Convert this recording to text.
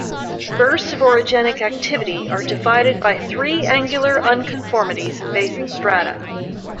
Bursts of orogenic activity are divided by three angular unconformities in basin strata.